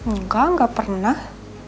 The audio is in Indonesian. enggak enggak pernah